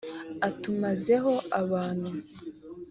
atumaze ho abantu